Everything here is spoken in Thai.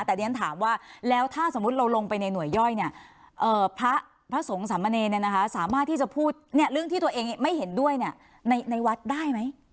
แต่ถ้าเราลงไปในหน่วยย่อยเนี่ยพระสงสรรมเนสามารถไปพูดเรื่องที่ตัวเองไม่เห็นด้วยในวัดได้มั้ย